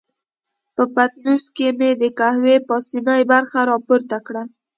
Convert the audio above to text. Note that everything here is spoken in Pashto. په پتنوس کې مې د قهوې پاسنۍ برخه را پورته کړل.